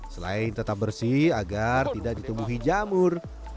selain tetap bersih agar tidak ditumbuhi jamur